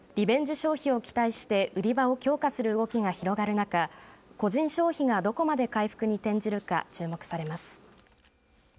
消費を期待して売り場を強化する動きが広がる中個人消費がどこまで回復に転じるか注目されます。